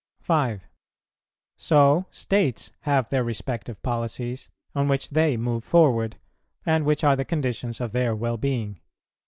5. So states have their respective policies, on which they move forward, and which are the conditions of their well being.